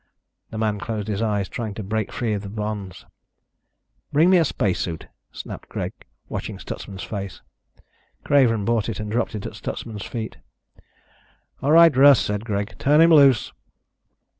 The man closed his eyes, trying to break free of the bonds. "Bring me a spacesuit," snapped Greg, watching Stutsman's face. Craven brought it and dropped it at Stutsman's feet. "All right, Russ," said Greg. "Turn him loose."